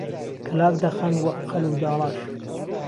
کهلاک دەخەن وهک قەل و داڵاش